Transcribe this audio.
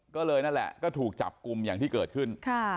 ก็เลยนั่นแหละก็ถูกจับกลุ่มอย่างที่เกิดขึ้น